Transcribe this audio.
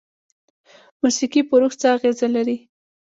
موسیقي په روح څه اغیزه لري؟